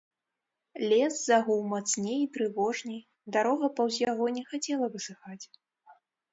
Лес загуў мацней і трывожней, дарога паўз яго не хацела высыхаць.